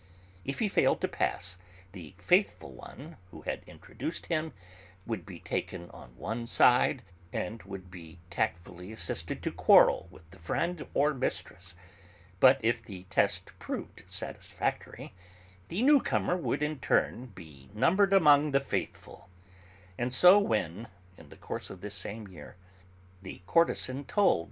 If he failed to pass, the faithful one who had introduced him would be taken on one side, and would be tactfully assisted to quarrel with the friend or mistress. But if the test proved satisfactory, the newcomer would in turn be numbered among the 'faithful.' And so when, in the course of this same year, the courtesan told M.